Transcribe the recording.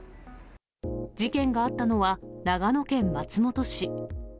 事件があったのは、長野県松本市。